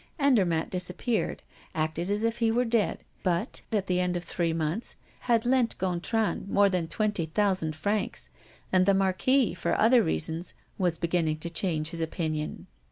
Andermatt disappeared, acted as if he were dead, but, at the end of three months, had lent Gontran more than twenty thousand francs; and the Marquis, for other reasons, was beginning to change his opinion.